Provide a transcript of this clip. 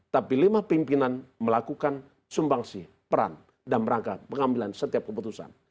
tapi lima pimpinan melakukan sumbangsi peran dan rangka pengambilan setiap keputusan